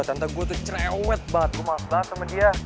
tante gue tuh cerewet banget gue masalah sama dia